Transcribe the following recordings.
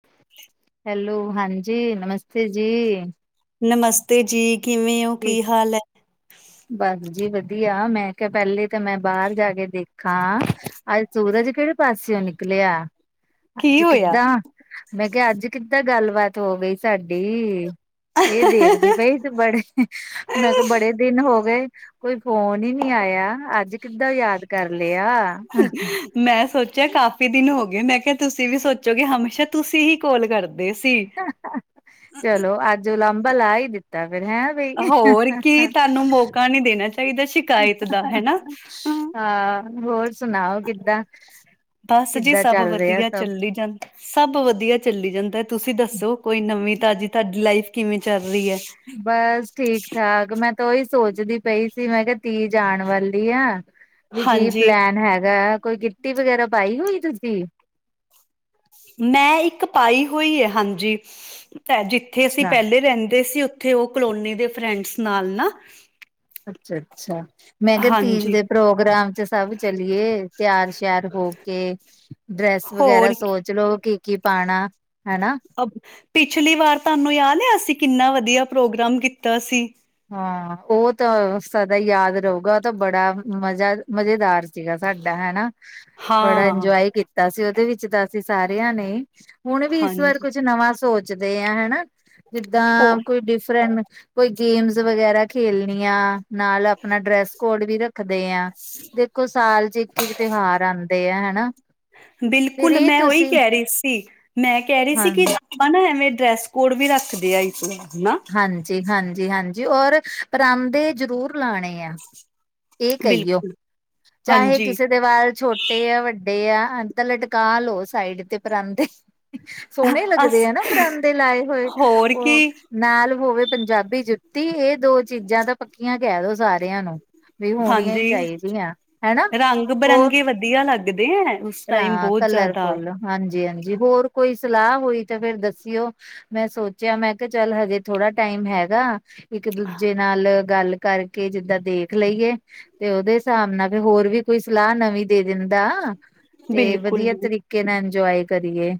[inaudible] Hello, ਹਾਂਜੀ ਨਮਸਤੇ ਜੀ। ਨਮਸਤੇ ਜੀ, ਕਿਵੇਂ ਓ, ਜੀ ਕੀ ਹਾਲ ਐ? ਬਸ ਜੀ ਵਧੀਆ, ਮੈਂ ਕਿਹਾ ਪਹਿਲੇ ਤਾਂ ਮੈਂ ਬਾਹਰ ਜਾਕੇ ਦੇਖ ਖਾ, ਅੱਜ ਸੂਰਜ ਕਿਹੜੇ ਪਾਸਿਓ ਨਿਕਲਿਆ। ਕੀ ਅੱਜ ਹੋਇਆ? ਕਿੱਦਾਂ ਮੈਂ ਕਿਹਾ ਅੱਜ ਕਿੱਦਾਂ ਗੱਲਬਾਤ ਹੋ ਗਈ ਸਾਡੀ। ਇਹ ਦੇਖਦੀ ਬਈ ਤੇ ਬੜੇ, ਮੈਂ ਕਿਹਾ ਬੜੇ ਦਿਨ ਹੋ ਗਏ, ਕੋਈ ਫ਼ੋਨ ਨੀ-ਨੀ ਆਇਆ, ਅੱਜ ਕਿੱਦਾਂ ਯਾਦ ਕਰ ਲਿਆ। ਮੈਂ ਸੋਚਿਆ ਕਾਫ਼ੀ ਦਿਨ ਹੋਗੇ। ਮੈਂ ਕਿਹਾ ਤੁਸੀਂ ਵੀ ਸੋਚੋਗੇ, ਹਮੇਸ਼ਾ ਤੁਸੀਂ ਹੀ ਕੋਲ਼ ਕਰਦੇ ਸੀ। ਹਾ-ਹਾ। ਚਲੋ, ਅੱਜ ਉਲਾਂਬਾ ਲਾ ਈ ਦਿੱਤਾ ਫੇਰ ਹੈਂ ਬਈ। ਉਹਨੂੰ ਮੌਕਾ ਨੀ ਦੇਣਾ ਚਾਹੀਦਾ ਸੀ। ਸ਼ਿਕਾਇਤ ਦਾ ਹੈਨਾ। ਅ ਹਾਂ ਹੋਰ ਸੁਣਾਓ ਕਿੱਦਾਂ ਬਸ ਜੀ ਕਿੱਦਾਂ ਸਭ ਚੱਲ ਰਿਹਾ ਵਧੀਆ, ਸਭ? ਚੱਲੀ ਜਾਂਦ ਸਭ ਵਧੀਆ ਚੱਲੀ ਜਾਂਦਾ, ਤੁਸੀਂ ਦੱਸੋ ਕੋਈ ਨਵੀਂ-ਤਾਜ਼ੀ। ਤੁਹਾਡੀ ਲਾਈਫ ਕਿਵੇਂ ਚੱਲ ਰਹੀ ਐ। ਬਸ, ਠੀਕ-ਠਾਕ ਮੈਂ ਤਾਂ ਉਹੀ ਸੋਚਦੀ ਪਈ ਸੀ, ਮੈਂ ਕਿਹਾ ਧੀ ਜਾਣ ਵਾਲੀ ਆ ਵੀ ਕੀ ਹਾਂਜੀ, ਪਲੈਨ ਹੈਗਾ, ਕੋਈ ਕਿੱਟੀ ਵਗੈਰਾ ਪਾਈ ਹੋਈ ਤੁਸੀਂ। ਮੈਂ ਇੱਕ ਪਾਈ ਹੋਈ ਐ ਹਾਂਜੀ। ਜਿੱਥੇ ਅਸੀਂ ਅੱਛਾ ਪਹਿਲੇ ਰਹਿੰਦੇ ਸੀ, ਉ ਉਥੇ, ਉਹ ਕਲੋਨੀ ਦੇ ਫਰੈਂਡਸ ਨਾਲ ਨਾ। ਅੱਛਾ-ਅੱਛਾ। ਮੈਂ ਕਿਹਾ ਤੀਜ਼ ਹਾਂਜੀ, ਦੇ ਪ੍ਰੋਗਰਾਮ 'ਚ ਸਭ ਚਲੀਏ, ਤਿਆਰ-ਸ਼ਿਆਰ ਹੋ ਕੇ। ਡਰੈਸ ਵਗੈਰਾ ਸੋਚ ਲੋੋ, ਕੀ-ਕੀ ਪਾਣਾ। ਹਨਾ। ਅ ਪਿਛਲੀ ਵਾਰ ਤੁਹਾਨੂੰ ਯਾਦ ਆ, ਅਸੀਂ ਕਿੰਨਾ ਵਧੀਆ ਪ੍ਰੋਗਰਾਮ ਕੀਤਾ ਸੀ। ਹਾਂ, ਉਹ ਤਾਂ ਸਦਾ ਯਾਦ ਰ‌ਊਗਾ। ਉਹ ਤਾਂ ਬੜਾ ਮਜ਼ਾ ਮਜ਼ੇਦਾਰ ਸੀਗਾ ਸਾਡਾ ਹੈ ਨਾ। ਬੜਾ ਹਾਂ ਇੰਜੋਏ ਕੀ ਤਾ ਸੀ, ਉਹਦੇ ਵਿੱਚ ਤਾਂ ਅਸੀਂ ਸਾਰਿਆਂ ਨੇ। ਹੁਣ ਵੀ ਇਸ ਵਾਰ ਹਾਂਜੀ ਕੁੱਛ ਨਵਾਂ ਸੋਚ ਚਦੇ ਆ ਹਨਾ, ਜਿੱਦਾਂ ਉਹ ਕੋਈ ਡਿਫਰੈਂਨ ਗੇਮਸ ਵਗੈਰਾ ਖੇਲਣੀਆਂ, ਨਾਲ ਆਪਣਾ ਡਰੈਸ ਕੋਡ ਵੀ ਰੱਖਦੇ ਆ। ਦੇ ਕਿ ਇੱਕੋ ਸਾਲ 'ਚ ਇੱਕ-ਇੱਕ ਤਿਉਹਾਰ ਆਂਦੇ ਆ ਹਨਾ। ਫਿਰ ਬਿਲਕੁਲ, ਇਹ ਮੈਂ ਉਹੀ ਤੁਸੀਂ ਕਹਿ ਰਹੀ ਸੀ। ਮੈਂ ਕਹਿ ਰਹੀ ਸੀ ਹਾਂ ਕਿ ਆਪਾਂ ਨਾ, ਐਵੇਂ ਡਰੈਸ ਕੋਡ ਵੀ ਰੱਖਦੇ ਆ ਇਸ ਵਾਰ ਹਨਾ। ਹਾਂਜੀ-ਹਾਂਜੀ-ਹਾਂਜੀ ਔਰ, ਪਰਾਂਦੇ ਜਰੂਰ ਲਾਂਣੇ ਆ। ਇਹ ਕਹੀਓ। ਬਿਲਕੁਲ ਚਾਹੇ ਹਾਂਜੀ ਕਿਸੇ ਦੇ ਵਾਲ਼ ਛੋਟ ਛੋਟੇ ਆ, ਵੱਡੇ ਆ, ਤਾਂ ਲਟਕਾ ਲਓ ਸਾਈਡ ਤੇ ਪਰਾਂਦੇ। ਸੋਹਣੇ ਅਸ ਲੱਗਦੇ ਆ ਨਾ ਪਰਾਂਦੇ ਲਾਏ ਹੋਏ। ਹੋਰ ਕੀ ਉਹ ਨਾਲ ਹੋਵੇ ਪੰਜਾਬੀ ਜੁੱਤੀ। ਇਹ ਦੋ ਚੀਜ਼ਾਂ ਤਾਂ ਪੱਕੀਆਂ ਕਹਿ ਦੋ ਸਾਰਿਆਂ ਨੂੰ। ਵੀ ਹੋਣੀਆਂ ਈ ਹਾਂਜੀ ਚਾਹੀਦੀਆਂ ਹੈਨਾ, ਰੰਗ ਹੋਰ। ਬਿਰੰਗੇ ਵਧੀਆ ਲੱਗਦੇ ਐਂਨ ਹ ਕਲਰ ਫੁੱਲ ਹਾਂਜੀ-ਹਾਂਜੀ ਹੋਰ ਕੋਈ ਸਲਾਹ ਹੋਈ ਤੇ ਫਿਰ ਦੱਸਿਓ। ਮੈਂ ਸੋਚਿਆ ਮੈਂ ਕਿਆ ਚੱਲ ਹਜੇ ਥੋੜਾ ਟਾਈਮ ਹੈਗਾ ਇੱਕ ਦੂਜੇ ਨਾਲ ਗੱਲ ਕਰਕੇ ਜਿੱਦਾਂ ਦੇਖ ਲਈਏ। ਤੇ ਉਹਦੇ ਹਿਸਾਬ ਨਾਲ ਫਿਰ ਹੋਰ ਵੀ ਕੋਈ ਸਲਾਹ ਨਵੀਂ ਦੇ ਦਿੰਦਾ। ਤੇ ਬਿਲਕੁਲ ਵਧੀਆ ਜੀ ਤਰੀਕੇ ਨਾਲ ਇੰਜੋਏ ਕਰੀਏ।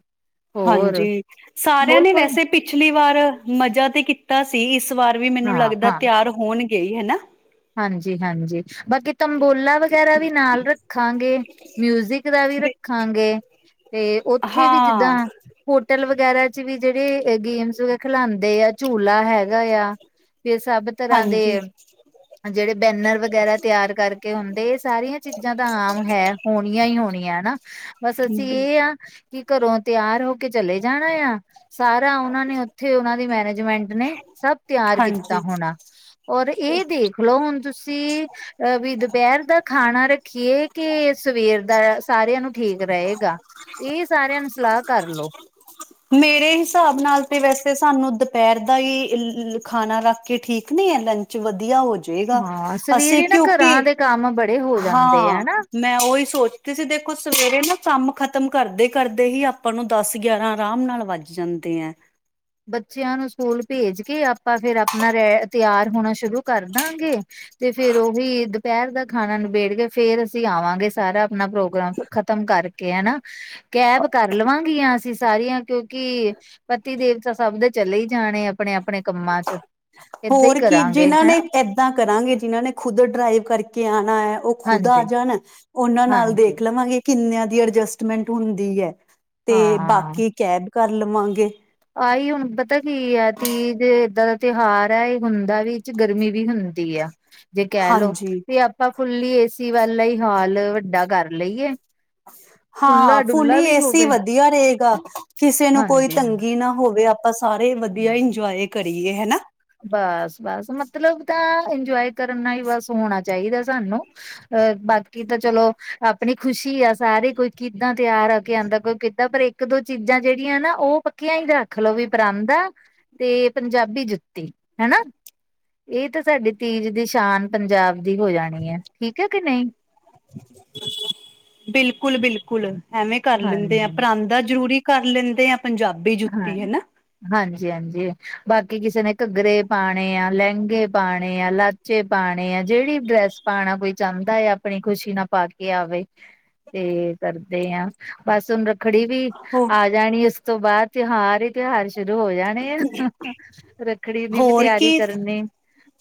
ਹੋਰ ਹਾਂਜੀ ਸਾਰਿਆਂ ਹੋਰ ਨੇ ਕੋਈ ਵੈਸੇ ਪਿਛਲੀ ਵਾਰ ਮਜ਼ਾ ਤੇ ਕੀ ਤਾਂ ਸੀ ਇਸ ਵਾਰ ਵੀ ਮੈਨੂੰ ਹਾਂ ਲੱਗਦਾ ਤਿਆਰ ਹੋਣ ਗਏ ਹਨਾ। ਜੀ ਹਾਂਜੀ ਬਾਕੀ ਤੰਬੋਲਾ ਵ ਵਗੈਰਾ ਵੀ ਨਾਲ ਰੱਖਾਂਗੇ ਮਿਊਜਿਕ ਦਾ ਵੀ ਰੱਖਾਂਗੇ। ਤੇ ਉੱਥੇ ਵੀ ਜਿੱਦਾਂ ਹਾਂ, ਹੋਟਲ ਵਗੈਰਾ 'ਚ ਵੀ ਜੇੜੀ ਗੇਮਸ ਵ ਖਿਲਾਂਦੇ ਆ। ਝੂਲਾ ਹੈਗਾ ਆ ਫਿਰ ਸਭ ਤਰ੍ਹਾਂ ਦੇ ਹਾਂਜੀ, ਜਿਹੜੇ ਬੈਨਰ ਵਗੈਰਾ ਤਿਆਰ ਕਰਕੇ ਹੁੰਦੇ ਇਹ ਸਾਰੀਆਂ ਚੀਜ਼ਾਂ ਤਾਂ ਆਮ ਹੈ ਹੋਣੀਆਂ ਹੀ ਹੋਣੀਆਂ ਹਨਾ। ਬਸ ਅਸੀਂ ਬਿਲ ਇ ਕਿ ਘਰੋਂ ਤਿਆਰ ਹੋ ਕੇ ਚਲੇ ਜਾਣਾ ਆ ਸਾਰਾ ਉਹਨਾਂ ਨੇ ਉੱਥੇ ਉਹਨਾਂ ਦੀ ਮੈਰੇਜ ਮੈਂਟ ਨੇ ਸਭ ਤਿਆਰ ਕੀਤਾ ਹਾਂਜੀ, ਹੋਣਾ ਔਰ ਇਹ ਦੇਖਲੋ ਹੁਣ ਤੁਸੀਂ ਅਹ ਵੀ ਦੁਪੈਰ ਦਾ ਖਾਣਾ ਰੱਖੀਏ ਕਿ ਸਵੇਰ ਦਾ ਸਾਰਿਆਂ ਨੂੰ ਠੀਕ ਰਏਗਾ। ਇਹ ਸਾਰਿਆਂ ਨੂੰ ਸਲਾਹ ਕਰ ਲੋ। ਮੇਰੇ ਹਿਸਾਬ ਨਾਲ ਤੇ ਵੈਸੇ ਸਾਨੂੰ ਦੁਪੈਰ ਦਾ ਹੀ ਲ ਖਾਣਾ ਰੱਖ ਕੇ ਠੀਕ ਨਈ ਲੰਚ ਚ ਵਧੀਆ ਹੋ ਜਾਏਗਾ ਹਾਂ ਅਸੀਂ ਸਵੇਰੇ ਨਾ ਕਿਉਂਕਿ ਘਰਾਂ ਦੇ ਕੰਮ ਬ ਹਾਂ ਮੈਂ ਉਹੀ ਸੋਚਦੀ ਸੀ ਦੇਖੋ ਸਵੇਰੇ ਨਾ ਕੰਮ ਖ਼ਤਮ ਕਰਦੇ-ਕਰਦੇ ਹੀ ਆਪਾਂ ਨੂੰ ਦਸ ਗਿਆਰਾਂ ਆਰਾਮ ਨਾਲ ਵੱਜ ਜਾਂਦੇ ਐ। ਬੱਚਿਆਂ ਨੂੰ ਸਕੂਲ ਭੇਜ ਕੇ ਆਪਾਂ ਫਿਰ ਆਪਣਾ ਰੈ ਤਿਆਰ ਹੋਣਾ ਸ਼ੁਰੂ ਕਰ ਦਾਂਗੇ। ਤੇ ਫੇਰ ਉਹੀ ਦੁਪੈਰ ਦਾ ਖਾਣਾ ਨਿਬੇੜ ਕੇ ਫੇਰ ਅਸੀਂ ਆਵਾਂਗੇ ਸਾਰਾ ਆਪਣਾ ਪ੍ਰੋਗਰਾਮ ਖ਼ਤਮ ਕਰਕੇ ਹਨਾ। ਕੈਬ ਕਰ ਲਵਾਂਗੀਆਂ ਅਸੀਂ ਸਾਰੀਆਂ ਕਿਉਂਕਿ ਪਤੀ ਦੇਵਤਾ ਸਭ ਦੇ ਚਲੇ ਹੀ ਜਾਣੇ। ਆਪਣੇ-ਆਪਣੇ ਕੰਮਾਂ 'ਚ ਏਦਾਂ ਹੀ ਕਰਾਂਗੇ ਹਨਾ। ਦਾ ਕਰਾਂਗੇ ਜਿਹਨਾਂ ਨੇ ਖੁਦ ਡਰਾਈਵ ਕਰਕੇ ਆਣਾ ਹੈ ਓ ਖੁਦ ਆ ਜਾਣ। ਉਹਨਾਂ ਨਾਲ ਹਾਂਜੀ-ਹਾਂਜੀ ਦੇਖ ਲਵਾਂਗੇ ਕਿੰਨਿਆਂ ਦੀ ਅਡਜਸਟਮੈਂਟ ਹੁੰਦੀ ਐ ਤੇ ਹਾਂ ਬਾਕੀ ਕੈਬ ਕਰ ਲਵਾਂਗੇ। ਆਹੀ ਹੁਣ ਪਤਾ ਕੀ ਆ ਤੀਜ ਦੇ ਏਦਾਂ ਤਿਉਹਾਰ ਹੈ ਇਹ ਹੁੰਦਾ ਵਿਚ ਗਰਮੀ ਵੀ ਹੁੰਦੀ ਆ ਜੇ ਕੈ ਲੋੋ ਹਾਂਜੀ ਤੇ ਅਪ ਆਪਾਂ ਫੁੱਲੀ ਏਸੀ ਵਾਲਾ ਹੀ ਹਾਲ ਵੱਡਾ ਕਰ ਲਈਏ। ਹਾਂ ਖੁਲਾ ਡੁਲਾ ਫੁੱਲੀ ਵੀ ਏਸੀ ਵ ਹੋਵੇ ਵਧੀਆ ਰਏਗਾ ਕਿਸੇ ਨੂੰ ਕੋਈ ਹਾਂਜੀ ਹਾਂਜੀ ਤੰਗੀ ਨਾ ਹੋਵੇ ਆਪਾਂ ਸਾਰੇ ਵਧੀਆ ਇੰਜੋਏ ਕਰੀਏ ਹਨਾ। ਬਸ-ਬਸ ਮਤਲਬ ਤਾਂ ਇੰਜੋਏ ਕਰਨਾ ਈ ਬਸ ਹੋਣਾ ਚਾਈਦਾ ਸਾਨੂੰ ਅ ਬਾਕੀ ਤਾਂ ਚਲੋ ਆਪਣੀ ਖੁਸ਼ੀ ਆ ਸਾਰੇ ਕੋਈ ਕਿੱਦਾਂ ਤਿਆਰ ਆ ਕੇ ਆਂਦਾ ਕੋਈ ਕਿੱਦਾਂ ਪਰ ਇੱਕ ਦੋ ਚੀਜ਼ਾਂ ਜੇੜੀਆਂ ਨਾ ਓ ਪੱਕੀਆਂ ਈ ਰੱਖ ਲਓ ਵੀ ਪਰਾਂਦਾ ਤੇ ਪੰਜਾਬੀ ਜੁ ਹਨਾ। ਇਹ ਤਾਂ ਸਾਡੀ ਤੀਜ ਦੀ ਸ਼ਾਨ ਪੰਜਾਬ ਦੀ ਹੋ ਜਾਣੀ ਐ ਠੀਕ ਐ ਕਿ ਨਈ। ਬਿਲਕੁਲ-ਬਿਲਕੁਲ ਐਵੇਂ ਕਰ ਲੈਂਦੇ ਆ ਹਾਂਜੀ ਪਰਾਂਦਾ ਜਰੂਰੀ ਕਰ ਲੈਂਦੇ ਐਂ ਪੰਜਾਬ ਹਾਂ ਹਾਂਜੀ -ਹਾਂਜੀ, ਬਾਕੀ ਕਿਸੇ ਨੇ ਘੱਗਰੇ ਪਾਣੇ ਆ, ਲੈਂਗੇ ਪਾਣੇ ਆ, ਲਾ ਚੇ ਪਾਣੇ ਆ, ਜੇਹੜੀ ਡਰੈਸ ਪਾਣਾ ਕੋਈ ਚਾਂਦਾ ਐ ਆਪਣੀ ਖੁਸ਼ੀ ਨਾਲ ਪਾ ਕੇ ਆਵੇ। ਤੇ ਕਰਦੇ ਆਂ, ਬਸ ਹੁਨ ਰੱਖੜੀ ਵੀ ਹੋ ਆ ਜਾਨੀ ਉਸ ਤੋਂ ਬਾਦ ਤੇਹਾਰ ਤੇਹਾਰ ਸ਼ੁਰੂ ਹੋ ਜਾਨੇ ਆ, ਰੱਖੜੀ ਦੀ ਵੀ ਹੋਰ ਤੇਆਰੀ ਕੀ ਕਰਨੀ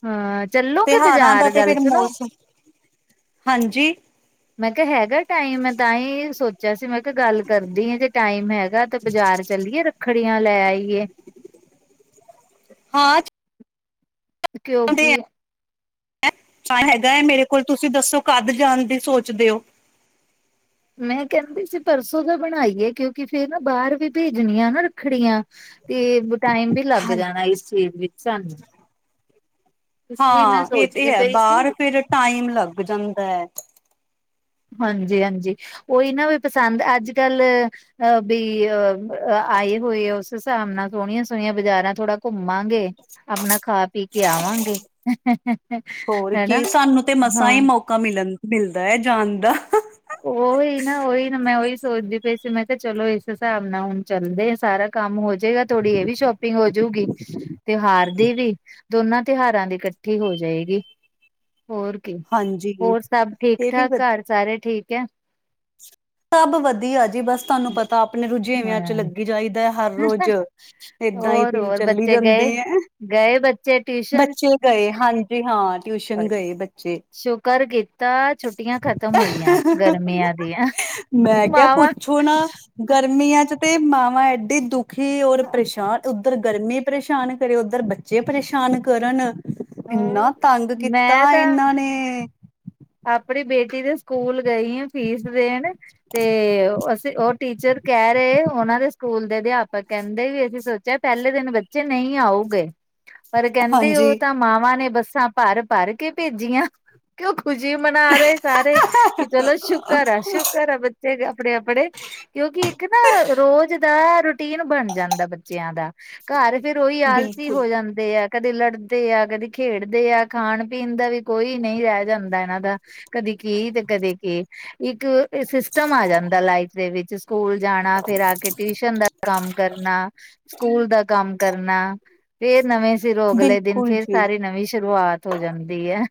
ਹਾਂ, ਚੱਲੋਗੇ ਤਿਉਹਾਰਾਂ ਦਾ ਬਜਾਰ, ਤੇ ਗੱਲ ਫਿਰ ਸੁਨੋ ਮੌਸਮ ਹਾਂਜੀ ਮੈਂ ਕੇਆ ਹੈਗਾ ਟਾਈਮ ਮੈਂ ਤਾਂ ਹੀ ਸੋਚੇਆ ਸੀ, ਮੈਂ ਕੇਆ ਗੱਲ ਕਰਦੀ ਆਂ ਜੇ ਟਾਈਮ ਹੈਗਾ ਤੇ ਬਜਾਰ ਚੱਲੀਏ, ਰੱਖ ਖੜੀਆਂ ਲੈ ਆਈਏ। ਹਾਂ, ਚ ਕੇਓਂਕੀ ਤਾਂ ਹੈਗਾ ਏ, ਮੇਰੇ ਕੋਲ ਤੁਸੀ ਦੱਸੋ ਕਦ ਜਾਣ ਦੀ ਸੋਚਦੇ ਓ? ਮੈਂ ਕੈਂਦੀ ਸੀ ਪਰਸੋਂ ਦਾ ਬਣਾਈਏ ਕਿਉਕਿ ਫੇਰ ਨਾ ਬਾਰ ਵੀ ਭੇਜਨੀਆਂ ਨਾ ਰੱਖੜੀਆਂ। ਤੇ, ਟਾਈਮ ਵੀ ਲੱਗ ਜਾਨਾ ਇਸ ਚੀਜ ਵਿੱਚ ਸਾਨੂੰ। ਇਸ ਲਈ ਮੈਂ ਹਾਂ ਏ ਤੇ ਸੋਚਦੀ ਹੈ ਪਈ ਸੀ ਬਾਰ ਫਿਰ ਟਾਈਮ ਲੱਗ ਜਾਂਦਾ। ਹਾਂਜੀ -ਹਾਂਜੀ, ਓਈ ਨਾ ਵੀ ਪਸੰਦ ਅੱਜ- ਕੱਲ ਅਹ ਬੀ ਅਹ ਆਈ ਹੋਈ ਓਸ ਹੇਸਾਬ ਨਾਲ ਸੋਹਨੀਆਂ ਸੋਹਨੀਆਂ ਬਜਾਰਾਂ ਥੋੜਾ ਘੁੰਮਾਂਗੇ ਆਪਨਾ ਖਾ-ਪੀ ਕੇ ਆਵਾਂਗੇ ਹੋਰ ਹੈਨਾ। ਕੀ ਸਾਨੂੰ ਤੇ ਮਸਾਂ ਹੀ ਮੌਕਾ ਮਿਲਣ, ਮਿਲਦਾ ਐ ਜਾਨ ਦਾ। ਓਈ ਨਾ -ਓਈ ਨਾ, ਮੈਂ ਓਈ ਸੋਚਦੀ ਪਈ ਸੀ ਮੈਂ ਤੇ ਚਲੋ ਏਸ ਹੇਸਾਬ ਨਾਲ ਹੁਨ ਚੱਲਦੇ ਆਂ ਸਾਰਾ ਕੰਮ ਹੋ ਜੇਗਾ, ਥੋੜੀ ਏ ਵੀ ਸ਼ੋਪਿੰਗ ਹੋਜੂਗੀ। ਤਿਹਾਰ ਦੀ ਵੀ, ਦੋਨਾਂ ਤਿਹਾਰਾਂ ਦੀ ਕੱਠੀ ਹੋ ਜਾਏਗੀ, ਹੋਰ ਹਾਂਜੀ ਹੋਰ ਸਬ ਇਹ ਵੀ ਠੀਕ-ਠਾਕ, ਵਧ ਘਰ ਸਾਰੇ ਠੀਕ ਐਂ? ਸਬ ਵਧੀਆ ਜੀ, ਬਸ ਤੁਆਨੂੰ ਪਤਾ ਆਪਨੇ ਰੁਝੇਵੇਆਂ 'ਚ ਹਾਂ ਲੱਗੀ ਜਾਈ ਦਾ, ਹਰ ਰੋਜ ਏਦਾਂ ਹੀ ਹੋਰ ਦਿਨ ਹੋਰ ਚੱਲੀ ਬੱਚੇ ਗਏ ਜਾਂਦੇ ਐਂ। ਗਏ ਬੱਚੇ ਟਿਸ਼ ਬੱਚੇ, ਗਏ ਹਾਂਜੀ ਹਾਂ ਟਿਊਸ਼ਨ ਗਏ ਬੱਚੇ। ਸ਼ੁਕਰ ਕੀਤਾ, ਛੁੱਟੀਆਂ ਖਤਮ ਹੋਈਆਂ ਗਰਮੀਆਂ ਦੀਆਂ। ਮੈਂ ਕੇਆ ਵਾਹਵਾ ਪੁੱਛੋ ਨਾ ਗਰਮੀਆਂ 'ਚ ਤੇ ਮਾਵਾਂ ਐਡੀ ਦੁੱ ਖੀ, ਔਰ ਪਰੇਸ਼ਾਨ, ਓਧਰ ਗਰਮੀ ਪਰੇਸ਼ਾਨ ਕਰੇ ਓਧਰ ਬੱਚੇ ਪਰੇਸ਼ਾਨ ਕਰਨ। ਇੰਨਾ ਤੰਗ ਕੀਤਾ ਮੈਂ ਤਾਂ ਏਨਾਂ ਨੇ ਆਪਣੀ ਬੇਟੀ ਦੇ ਸਕੂਲ ਗਈ ਆਂ ਫੀਸ ਦੇਨ ਤੇ ਅਸੀਂ ਓ ਟੀਚਰ ਕੇ ਰਏ, ਓਨਾਂ ਦੇ ਸਕੂਲ ਦੇ ਅਧੇਆ ਪਕ, ਕੇਂਦੇ ਵੀ ਅਸੀਂ ਸੋਚੇਆ ਪੈਲੇ ਦਿਨ ਬੱਚੇ ਨਈ ਆਊਗੇ, ਪਰ ਕੇਂਦੇ ਓ ਹਾਂਜੀ ਤਾਂ ਮਾਵਾਂ ਨੇ ਬੱਸਾਂ ਭਰ-ਭਰ ਕੇ ਭੇਜੀਆਂ, ਕੇ ਕੁਸ਼ੀ ਮਨਾ ਰੇ ਸਾਰੇ ਕਿ, ਚਲੋ ਸ਼ੁਕਰ ਐ-ਸ਼ੁਕਰ ਐ ਬੱਚੇ ਆਪਣੇ -ਆਪਣੇ ਕਿਉਂਕਿ ਇੱਕ ਨਾ ਰੋਜ ਦਾ ਰੁ ਟੀਨ ਬਣ ਜਾਂਦਾ ਬੱਚੇਆਂ ਦਾ, ਘਰ ਫੇਰ ਓਹੀ ਆਲਸੀ ਬਿਲਕੁਲ ਹੋ ਜਾਂ ਦੇ ਆ, ਕਦੇ ਲੜਦੇ ਆ ਕਦੇ ਖੇਡਦੇ ਆ, ਖਾਨ ਪੀਨ ਦਾ ਵੀ ਕੋਈ ਵੀ ਨਈ ਰੈ ਜਾਂਦਾ ਇਨਾਂ ਦਾ, ਕਦੇ ਕੀ, ਤੇ ਕਦੇ ਕੀ। ਇੱਕ ਸਿਸਟਮ ਆ ਜਾਂਦਾ, ਲਾਈਫ ਦੇ ਵਿੱਚ ਸਕੂਲ ਜਾਣਾ ਫੇਰ ਆ ਕੇ ਟਿਊਸ਼ਨ ਦਾ ਕੰਮ ਕਰਨਾ, ਸਕੂਲ ਦਾ ਕੰਮ ਕਰਨਾ ਫੇਰ ਨਵੇਂ ਸਿਰੋਂ, ਅਗਲੇ ਦਿਨ ਬਿਲਕੁਲ ਫੇਰ ਜੀ ਸਾਰੀ ਨਵੀਂ ਸ਼ੁਰੂਆਤ ਹੋ ਜਾਂਦੀ ਐ।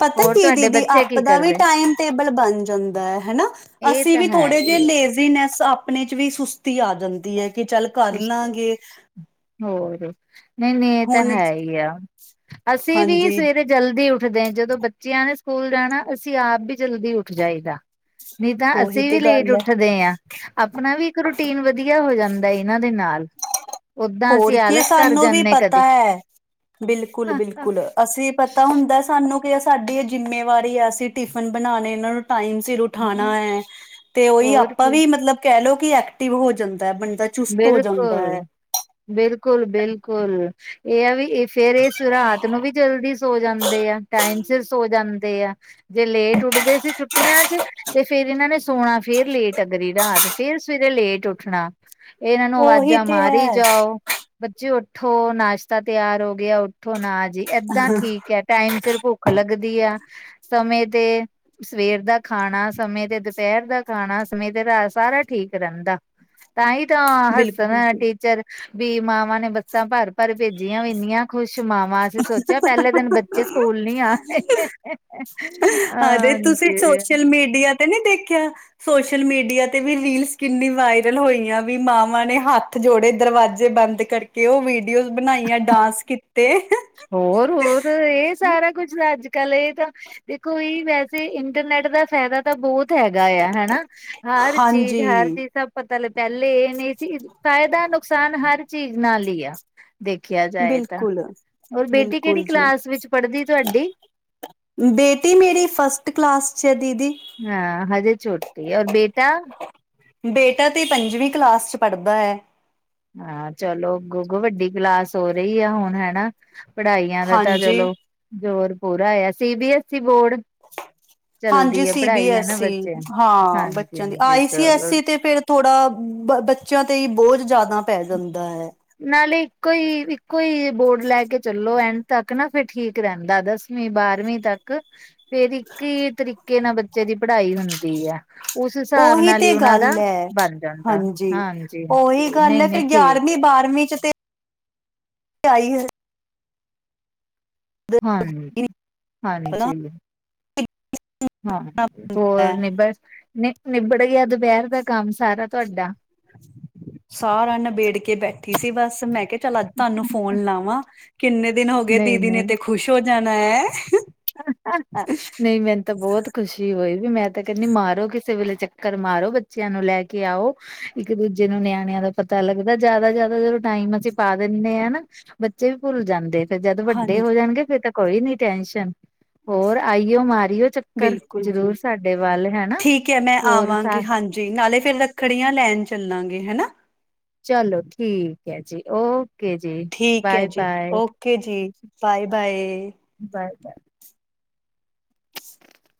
ਪਤਾ ਕੀ ਦੀਦੀ ਆਪ ਦਾ ਵੀ ਟਾਈਮ -ਟੇਬਲ ਬਨ ਜਾਂਦਾ ਹੈਨਾ ਇਹ ਅਸੀਂ ਤਾਂ ਵੀ ਹੈ ਥੋੜੇ ਹੀ ਜੇਹੇ ਇਜੀਨੈਸ ਆਪਣੇ 'ਚ ਵੀ ਸੁਸਤੀ ਆ ਜਾਂਦੀ ਹੈ ਕਿ ਚੱਲ ਕਰ ਸੁਸਤ ਲਾਂਗੇ ਹੋਰ ਨਹੀਂ ਨਹੀਂ ਇਹ ਤਾਂ ਹੁਣ ਹੈ ਹੀ ਆ ਅਸੀਂ ਵੀ ਹਾਂਜੀ ਸਵੇਰੇ ਜਲਦੀ ਉੱਠਦੇ ਜਦੋਂ ਬੱਚਿਆਂ ਨੇ ਸਕੂਲ ਜਾਣਾ ਅਸੀਂ ਆਪ ਵੀ ਜਲਦੀ ਉੱਠ ਜਾਈਦਾ ਨਹੀਂ ਤਾਂ ਉਹੀ ਅਸੀਂ ਵੀ ਤੇ ਲੇਟ ਗੱਲ ਹੈ ਉੱਠਦੇ ਹਾਂ, ਆਪਣਾ ਵੀ ਇੱਕ ਰੂਟੀਨ ਵਧੀਆ ਹੋ ਜਾਂਦ ਮੈਂ ਇਹਨਾਂ ਦੇ ਨਾਲ ਓਦਾਂ ਹੋਰ ਅਸੀਂ ਕੀ ਆਲਸ ਕਰ ਸਾਨੂੰ ਵੀ ਜਾਂਦੇ ਪਤਾ ਕਦੇ ਹੈ ਬਿਲਕੁਲ ਬਿਲਕੁਲ ਅਸੀਂ ਪਤਾ ਹੁੰਦਾ ਸਾਨੂੰ ਕਿ ਸਾਡੀ ਇਹ ਜਿੰਮੇਵਾਰੀ ਹੈ ਅਸੀਂ ਟਿਫਿਨ ਬਣਾਉਣੇ ਇਹਨਾਂ ਨੂੰ ਟਾਈਮ ਸਿਰ ਉਠਾਉਣਾ ਹੈਂ ਤੇ ਉਹੀ ਹੋਰ ਆਪਾਂ ਕੀ ਵੀ ਮਤਲਬ ਕੈ ਲਓ ਕਿ ਐਕਟਿਵ ਹੋ ਜਾਂਦਾ ਬੰਦਾ ਚੁਸਤ ਹੋ ਜਾਂਦਾ ਬਿਲਕੁਲ, ਹੈ ਬਿਲਕੁਲ- ਬਿਲਕੁਲ ਇਹ ਐ ਵੀ ਇਹ ਫਿਰ ਇਹ ਸੁਰਾਤ ਨੂੰ ਵੀ ਜਲਦੀ ਸੋ ਜਾਂਦੇ ਆ, ਟਾਈਮ ਸਿਰ ਸੋ ਜਾਂਦੇ ਆ ਜੇ ਲੇਟ ਉੱਠਦੇ ਸੀ ਛੁੱਟੀਆਂ 'ਚ ਤੇ ਫਿਰ ਇਹਨਾਂ ਨੇ ਸੋਣਾ ਫੇਰ ਲੇਟ ਅਗਰੀ ਰਾਤ ਫਿਰ ਸਵੇਰੇ ਲੇਟ ਉੱਠਣਾ ਇਹਨਾਂ ਨੂੰ ਉਹੀ ਅਵਾਜਾਂ ਤੇ ਮਾਰੀ ਹੈ ਜਾਓ ਬੱਚੇ ਉੱਠੋ ਨਾਸ਼ਤਾ ਤਿਆਰ ਹੋ ਗਿਆ ਉੱਠੋ ਨਾ ਜੀ ਐਦਾਂ ਠੀਕ ਹੈ ਟੈਮ ਸਿਰ ਭੁੱਖ ਲੱਗਦੀ ਆ ਸਮੇਂ ਤੇ ਸਵੇਰ ਦਾ ਖਾਣਾ ਸਮੇਂ ਤੇ ਦੁਪਹਿਰ ਦਾ ਖਾਣਾ ਸਮੇਂ ਤੇ ਰਾਤ ਸਾਰਾ ਠੀਕ ਰਹਿੰਦਾ ਤਾਂਹੀ ਤਾਂ ਬਿਲਕੁਲ ਹੱਸਣ ਜੀ ਟੀਚਰ, ਵੀ ਮਾਵਾਂ ਨੇ ਬੱਸਾਂ ਭਰ ਪਰ ਭੇਜੀਆਂ ਵੀ ਇੰਨੀਆਂ ਖੁਸ਼ ਮਾਵਾਂ ਅਸੀਂ ਸੋਚਿਆ ਪਹਿਲੇ ਦਿਨ ਬੱਚੇ ਸਕੂਲ ਨੀ ਆਣੇ ਅਰੇ ਤੁਸੀਂ ਸੋਸ਼ਲ ਮੀਡੀਆ ਤੇ ਨਹੀਂ ਦੇਖਿਆ ਸੋਸ਼ਲ ਮੀਡੀਆ ਤੇ ਵੀ ਰੀਲਸ ਕਿੰਨੀ ਵਾਇਰਲ ਹੋਈ ਆ ਵੀ ਮਾਵਾਂ ਨੇ ਹੱਥ ਹੱਥ ਜੋੜੇ ਦਰਵਾਜ਼ੇ ਬੰਦ ਕਰਕੇ ਉਹ ਵੀਡੀਓਸ ਬਣਾਈਆਂ ਡਾਂਸ ਕੀਤੇ ਹੋਰ ਹੋਰ ਇਹ ਸਾਰਾ ਕੁੱਝ ਲਜ ਕੱਲ ਇਹ ਤਾਂ ਦੇਖੋ ਹੀ ਵੈਸੇ ਇੰਟਰਨੈਟ ਦਾ ਫਾਇਦਾ ਤਾਂ ਬਹੁਤ ਫੈਦਾ ਹੈਗਾ ਆ ਹਨਾ ਹਰ ਚੀਜ਼ ਹਰ ਹਾਂਜੀ ਚੀਜ਼ ਦਾ ਮਤਲਬ ਪਹਿਲੇ ਇਹ ਨਹੀਂ ਸੀ ਫਾਇਦਾ ਨੁਕਸਾਨ ਹਰ ਚੀਜ਼ ਨਾਲ ਹੀ ਆ ਦੇਖਿਆ ਜਾਏ ਤਾਂ, ਬਿਲਕੁਲ ਔਰ ਬੇਟੀ ਬਿਲਕੁਲ ਕਿਹੜੀ ਜੀ ਕਲਾਸ ਵਿੱਚ ਪੜ੍ਹਦੀ ਤੁਹਾਡੀ ਬੇਟੀ ਮੇਰੀ ਫਸਟ ਕਲਾਸ 'ਚ ਹੈ ਦੀਦੀ ਹਾਂ ਹਜੇ ਚੋਟੀ, ਔਰ ਬੇਟਾ ਬੇਟਾ ਤੇ ਪੰਜਵੀਂ ਕਲਾਸ 'ਚ ਪੜ੍ਹਦਾ ਐ ਹਾਂ ਚਲੋ ਅੱਗੋਂ ਅੱਗੋਂ ਵੱਡੀ ਕਲਾਸ ਹੋ ਰਹੀ ਆ ਹੁਣ ਹਨਾ ਪੜ੍ਹਾਈਆਂ ਦਾ ਤਾਂ ਹਾਂਜੀ ਚਲੋ ਜ਼ੋਰ ਪੂਰਾ ਆ C B S E board ਹਾਂਜੀ ਚੱਲਦੀ ਹੈ ਸੀ ਬੀ ਪੜ੍ਹਾਈ ਹੈ ਨਾ ਐਸੀ ਬੱਚਿਆਂ ਨੂੰ ਹਾਂ ਹਾਂਜੀ ਬੱਚਿਆਂ ਦੀ ਹਾਂਜੀ ਆਈ ਸੀ ਐਸ ਚਲੋ ਈ ਤੇ ਫੇਰ ਥੋੜ੍ਹਾ ਬ ਬੱਚਿਆਂ ਤੇ ਬੋਝ ਜ਼ਿਆਦਾ ਪੈ ਜਾਂਦਾ ਹੈ ਨਾਲੇ ਇੱਕੋ ਹੀ ਇੱਕੋ ਹੀ ਬੋਰਡ ਲੈ ਕੇ ਚੱਲੋ ਐਂਨ ਤੱਕ ਨਾ ਫੇਰ ਠੀਕ ਰਹਿੰਦਾ ਦੱਸ ਨੀ ਬਾਰਵੀਂ ਤੱਕ, ਫਿਰ ਇੱਕ ਹੀ ਤਰੀਕੇ ਨਾਲ ਬੱਚੇ ਦੀ ਪੜ੍ਹਾਈ ਹੁੰਦੀ ਆ ਉਸ ਹਿਸਾਬ ਉਹੀ ਨਾਲ ਹੀ ਤੇ ਉਹਨਾ ਦਾ ਗੱਲ ਹੈ ਬਣ ਜਾਂਦਾ ਹਾਂਜੀ ਹਾਂਜੀ ਨਹੀਂ ਹਲੇ ਤੇ ਨਹੀਂ ਠੀਕ ਗਿਆਰਵੀਂ ਹੈ। ਬਾਰਵੀਂ 'ਚ ਤੇ ਆਈ ਹੈ ਹਾਂਜੀ ਹਾਂਜੀ ਹਾਂਜੀ, ਹੋਰ ਨਿਬੜ, ਨਿਬੜ ਗਿਆ ਦੁਪਹਿਰ ਦਾ ਕੰਮ ਸਾਰਾ ਤੁਹਾਡਾ ਸਾਰਾ ਨਿਬੇੜ ਕੇ ਬੈਠੀ ਸੀ ਬਸ ਮੈਂ ਕ ਚੱਲ ਅੱਜ ਤੁਹਾਨੂੰ ਫੋਨ ਲਾਵਾਂ, ਕਿੰਨੇ ਦਿਨ ਹੋ ਗਏ ਨਹੀਂ ਦੀਦੀ ਨੇ ਨਹੀਂ ਤੇ ਖੁਸ਼ ਹੋ ਜਾਣਾ ਹੈਂ ਨਹੀਂ ਮੈਨੂੰ ਤਾਂ ਬਹੁਤ ਖੁਸ਼ੀ ਹੋਈ ਵੀ ਮੈਂ ਤਾਂ ਕਹਿੰਦੀ ਮਾਰੋ ਕਿਸੇ ਵੇਲੇ ਚੱਕਰ ਮਾਰੋ ਬੱਚਿਆਂ ਨੂੰ ਲੈ ਕੇ ਆਓ ਇੱਕ ਦੂਜੇ ਨੂੰ ਨਿਆਣਿਆਂ ਦਾ ਪਤਾ ਲੱਗਦਾ ਜਿਆਦਾ ਜਿਆਦਾ ਜਦੋਂ ਟਾਈਮ ਅਸੀਂ ਪਾ ਦਿੰਦੇ ਨਾ ਬੱਚੇ ਵੀ ਭੁੱਲ ਜਾਂਦੇ ਫਿਰ ਜਦ ਵੱਡੇ ਹਾਂਜੀ ਹੋ ਜਾਣਗੇ ਫਿਰ ਤਾਂ ਕੋਈ ਨੀ ਟੈਨਸ਼ਨ ਹੋਰ ਆਈਓ ਮਾਰੀਓ ਚੱਕਰ ਬਿਲਕੁਲ ਜੀ ਜ਼ਰੂਰ ਸਾਡੇ ਵੱਲ ਹੈਨਾ ਹੋਰ ਸ ਜੀ ਨਾਲੇ ਫਿਰ ਰੱਖੜੀਆਂ ਲੈਣ ਚੱਲਾਂਗੇ ਹਨਾ ਚਲੋ ਠੀਕ ਹੈ ਜੀ ਓ ਓਕੇ ਜੀ ਠੀਕ ਹੈ ਜੀ ਓਕੇ ਜੀ ਬਾਏ ਬਾਏ ਬਾਏ ਬਾਏ [unintelligible]